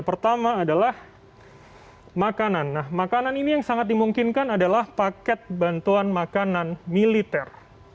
pertama adalah makanan nah makanan ini yang sangat dimungkinkan adalah paket bantuan makanan militer